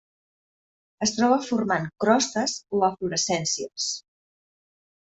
Es troba formant crostes o eflorescències.